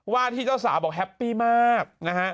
ว่าที่เจ้าสาวบอกแฮปปี้มากนะฮะ